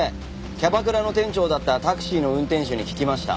キャバクラの店長だったタクシーの運転手に聞きました。